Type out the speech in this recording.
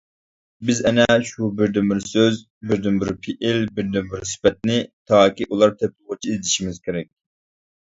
بىز ئەنە شۇ بىردىنبىر سۆز، بىردىنبىر پېئىل، بىردىنبىر سۈپەتنى تاكى ئۇلار تېپىلغۇچە ئىزدىشىمىز كېرەك.